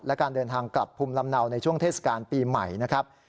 และการเดินทางกลับภูมิลำเนาในช่วงเทศกาลปีใหม่นะครับ